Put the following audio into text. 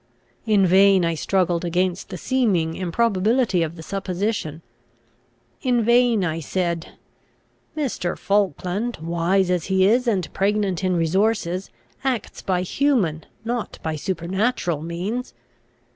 In vain I struggled against the seeming improbability of the supposition. In vain I said, "Mr. Falkland, wise as he is, and pregnant in resources, acts by human, not by supernatural means.